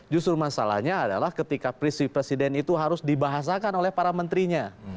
justru masalahnya adalah ketika prinsip presiden itu harus dibahasakan oleh para menterinya